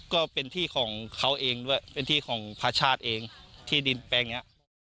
ก็เป็นที่ของเขาเองด้วยเป็นที่ของพระชาติเองที่ดินแปลงเนี้ย